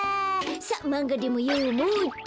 さっマンガでもよもうっと！